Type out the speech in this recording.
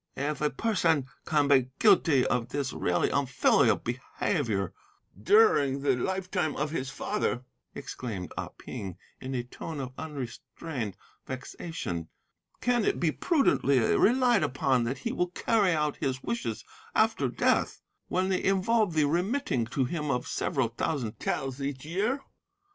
"'If a person can be guilty of this really unfilial behaviour during the lifetime of his father,' exclaimed Ah Ping, in a tone of unrestrained vexation, 'can it be prudently relied upon that he will carry out his wishes after death, when they involve the remitting to him of several thousand taels each year?